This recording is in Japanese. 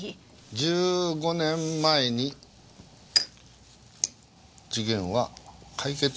１５年前に事件は解決している。